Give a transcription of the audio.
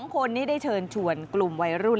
๒คนนี้ได้เชิญชวนกลุ่มวัยรุ่น